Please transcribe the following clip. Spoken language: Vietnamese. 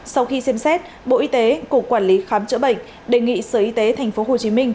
sau khi xem xét bộ y tế cục quản lý khám chữa bệnh đề nghị sở y tế tp hcm